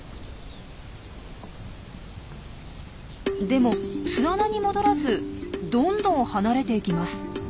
でも巣穴に戻らずどんどん離れていきます。